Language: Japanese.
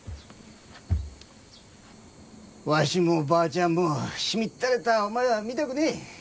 わしもばあちゃんもしみったれたお前は見たくねえ。